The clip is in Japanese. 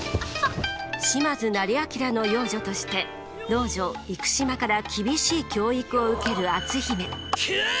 島津斉彬の養女として老女幾島から厳しい教育を受ける篤姫。